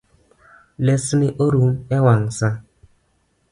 Lesni orum ewang’ sa